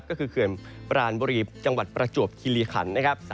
ก็คือเขื่อนปรานบุรีจังหวัดประจวบคิริขันนะครับ